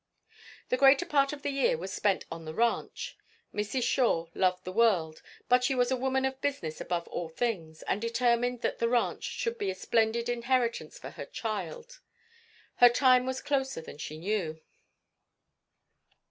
The greater part of the year was spent on the ranch. Mrs. Shore loved the world, but she was a woman of business above all things, and determined that the ranch should be a splendid inheritance for her child. Her time was closer than she knew.